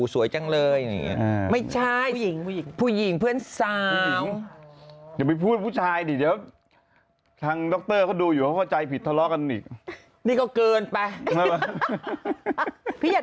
สวยจังเลยค่ะไม่สวยอย่างนี้ไปทำอะไรมาถึงสวยอย่างนี้นั่งก็นั่งดู